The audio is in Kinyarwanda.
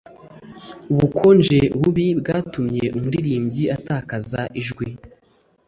Ubukonje bubi bwatumye umuririmbyi atakaza ijwi